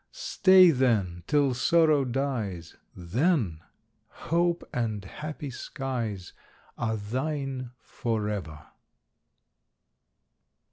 Stay, then, till Sorrow dies; Then hope and happy skies Are thine forever!